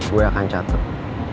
gue akan catur